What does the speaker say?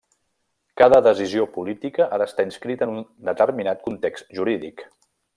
Cada decisió política ha d'estar inscrita en un determinat context jurídic.